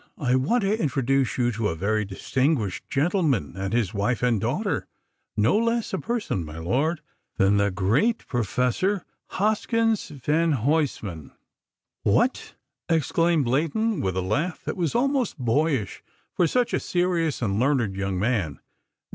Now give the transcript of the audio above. I want to introduce you to a very distinguished gentleman and his wife and daughter. No less a person, my lord, than the great Professor Hoskins van Huysman!" "What!" exclaimed Leighton, with a laugh that was almost boyish for such a serious and learned young man.